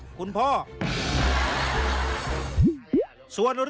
สุดท้ายของพ่อต้องรักมากกว่านี้ครับ